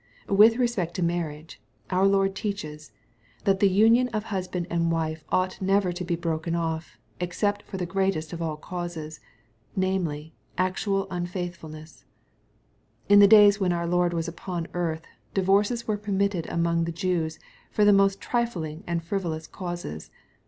With respect to marriage, our Lord teaches, that thfi union of husband and wife ought never to be broken offy except for the greatest of all causes^ namely j actual urir faithfulness. In the days when our Lord was upon earth, divorces were permitted among the Jews for the most trifling and frivolous causes.